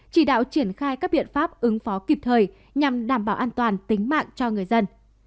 chỉ đạo triển khai các biện pháp ứng phó kịp thời nhằm đảm bảo an toàn tính mạng cho người dân